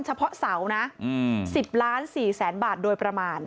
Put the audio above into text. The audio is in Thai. เฉพาะเสานะ๑๐ล้าน๔แสนบาทโดยประมาณ